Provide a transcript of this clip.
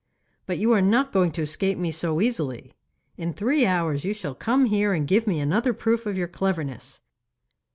But you are not going to escape me so easily. In three hours you shall come here and give me another proof of your cleverness.